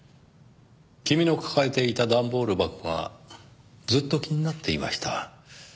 君の抱えていた段ボール箱がずっと気になっていました。